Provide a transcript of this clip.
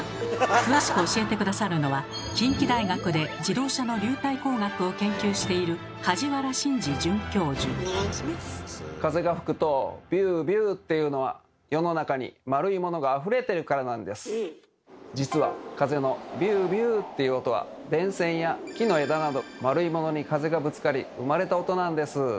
詳しく教えて下さるのは近畿大学で自動車の流体工学を研究している実は風の「ビュービュー」っていう音は電線や木の枝など丸いものに風がぶつかり生まれた音なんです。